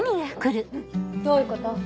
どういうこと？